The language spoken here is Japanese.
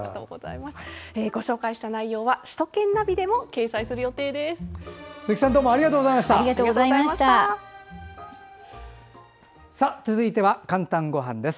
ご紹介した内容は首都圏ナビでも掲載する予定です。